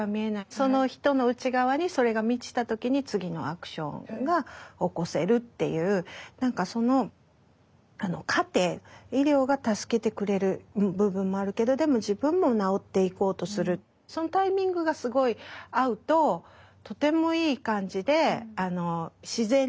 その人の内側にそれが満ちた時に次のアクションが起こせるっていう何かその過程医療が助けてくれる部分もあるけどでも自分も治っていこうとするそのタイミングがすごい合うととてもいい感じで自然に命が回復していく。